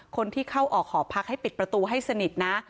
คนที่เข้าออกหอพักให้ปิดประตูให้สนิทนะ